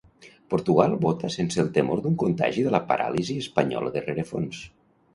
Portugal vota sense el temor d'un contagi de la paràlisi espanyola de rerefons.